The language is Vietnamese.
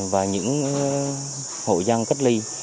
và những hội dân cách ly